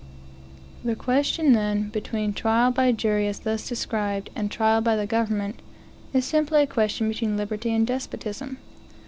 The question, then, between trial by jury, as thus described, and trial by the government, is simply a question between liberty and despotism.